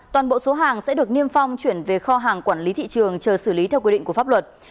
toàn bộ số hàng sẽ được niêm phong chuyển về kho hàng quản lý thị trường chờ xử lý theo quy định của pháp luật